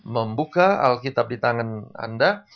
membuka alkitab di tangan anda